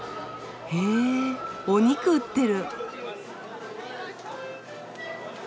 へぇお肉売ってる！